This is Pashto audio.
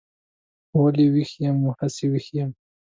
ولې ویښ یم؟ هسې ویښ یم.